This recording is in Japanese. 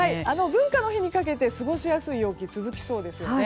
文化の日にかけて過ごしやすい陽気が続きそうですよね。